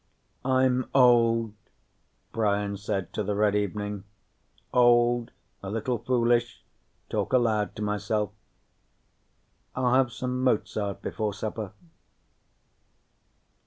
"I'm old," Brian said to the red evening. "Old, a little foolish, talk aloud to myself. I'll have some Mozart before supper."